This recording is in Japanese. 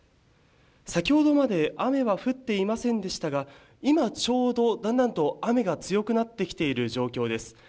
先ほどまで雨は降っていませんでしたが今ちょうど、だんだんと雨が強くなってきている状況です。